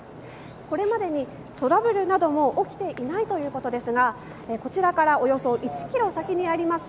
これまでにトラブルなどは起きていないということですがこちらからおよそ１ｋｍ先にあります